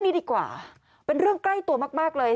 นี่ดีกว่าเป็นเรื่องใกล้ตัวมากเลย